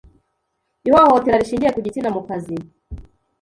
Ihohotera rishingiye ku gitsina mu kazi;